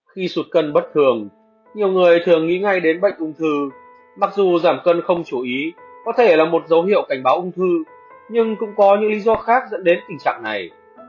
khi sụt cân bất thường nhiều người thường nghĩ ngay đến bệnh ung thư mặc dù giảm cân không chú ý có thể là một dấu hiệu cảnh báo ung thư nhưng cũng có những lý do khác dẫn đến tình trạng này